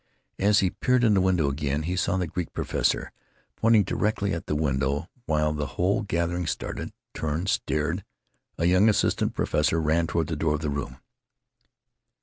As he peered in the window again he saw the Greek professor point directly at the window, while the whole gathering startled, turned, stared. A young assistant professor ran toward the door of the room.